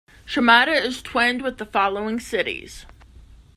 Shimada is twinned with the following cities.